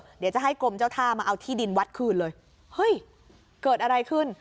เดี๋ยวจะให้กรมเจ้าท่ามาเอาที่ดินวัดคืนเลยเฮ้ยเกิดอะไรขึ้น